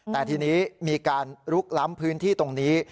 แต่ทีนี้มีการลุกล้ำพื้นที่ตรงนี้